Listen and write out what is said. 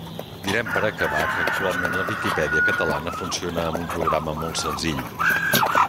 Direm per acabar que actualment la Viquipèdia catalana funciona amb un programa molt senzill.